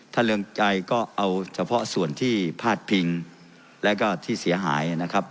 เรืองไกรก็เอาเฉพาะส่วนที่พาดพิงและก็ที่เสียหายนะครับ